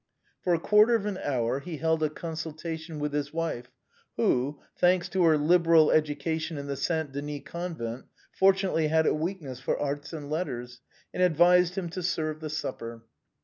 For a quarter of an hour he held a consultation with his wife, who, thanks to her liberal education at the St. Denis Convent, fortunately had a weakness for arts and letters, and advised him to serve the supper.